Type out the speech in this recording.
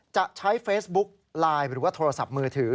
จะใช้เฟซบุ๊กไลน์หรือว่าโทรศัพท์มือถือ